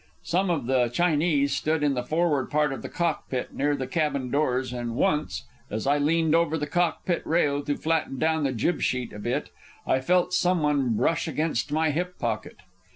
Some of the Chinese stood in the forward part of the cockpit, near the cabin doors, and once, as I leaned over the cockpit rail to flatten down the jib sheet a bit, I felt some one brush against my hip pocket.